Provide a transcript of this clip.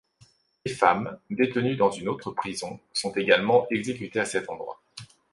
Les femmes, détenues dans une autre prison sont également exécutées à cet endroit.